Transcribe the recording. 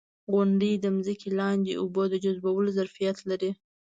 • غونډۍ د ځمکې لاندې اوبو د جذبولو ظرفیت لري.